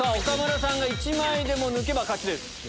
岡村さんが１枚でも抜けば勝ちです。